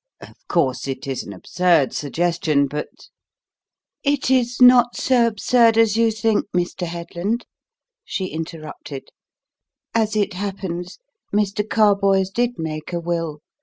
Of course, it is an absurd suggestion, but " "It is not so absurd as you think, Mr. Headland," she interrupted. "As it happens, Mr. Carboys did make a will.